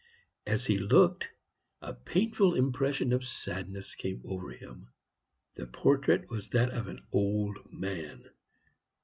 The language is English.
As he looked, a painful impression of sadness came over him. The portrait was that of an old man.